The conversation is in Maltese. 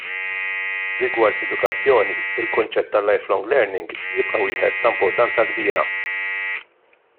Rigward l-edukazzjoni l-kunċett tal-lifelong learning jibqa' wieħed ta' importanza kbira.